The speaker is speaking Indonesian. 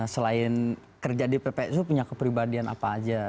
selain kerja di ppsu punya kepribadian apa aja